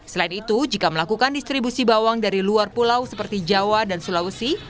selain itu jika melakukan distribusi bawang dari luar pulau seperti jawa dan sulawesi